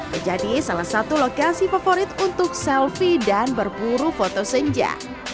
menjadi salah satu lokasi favorit untuk selfie dan berburu foto senja